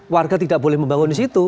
warga tidak boleh membangun di situ